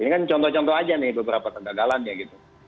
ini kan contoh contoh aja nih beberapa kegagalannya gitu